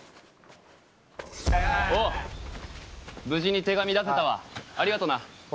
無事に手紙出せたわありがとな。